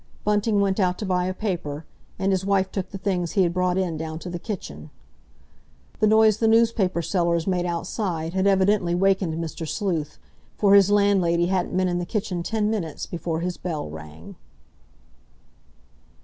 Bunting went out to buy a paper, and his wife took the things he had brought in down to the kitchen. The noise the newspaper sellers made outside had evidently wakened Mr. Sleuth, for his landlady hadn't been in the kitchen ten minutes before his bell rang.